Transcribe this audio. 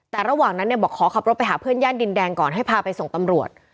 แต่ระหว่างนั้นเนี่ยบอกขอขับรถไปหาเพื่อนย่านดินแดงก่อนให้พาไปส่งตำรวจ